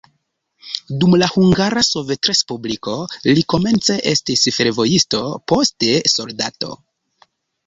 Dum la Hungara Sovetrespubliko li komence estis fervojisto, poste soldato.